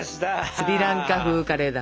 スリランカ風カレーだ。